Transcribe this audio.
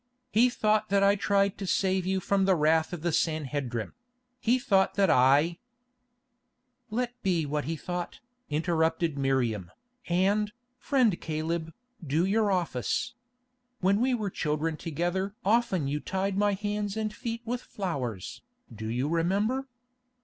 He thought that I tried to save you from the wrath of the Sanhedrim; he thought that I——" "Let be what he thought," interrupted Miriam, "and, friend Caleb, do your office. When we were children together often you tied my hands and feet with flowers, do you remember?